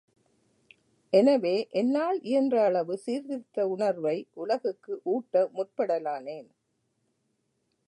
எனவே, என்னால் இயன்ற அளவு சீர்திருத்த உணர்வை உலகுக்கு ஊட்ட முற்படலானேன்.